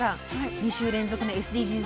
２週連続でＳＤＧｓ